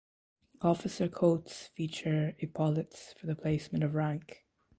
Officer coats feature epaulets for the placement of rank.